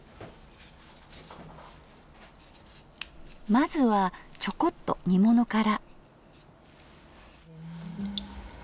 まずはちょこっと煮物から。